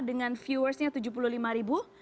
dengan viewersnya tujuh puluh lima ribu